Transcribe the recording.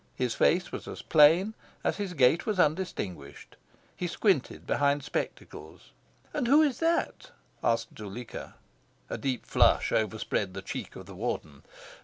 His face was as plain as his gait was undistinguished. He squinted behind spectacles. "And who is that?" asked Zuleika. A deep flush overspread the cheek of the Warden.